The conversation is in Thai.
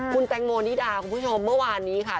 คุณแตงโมนิดาคุณผู้ชมเมื่อวานนี้ค่ะ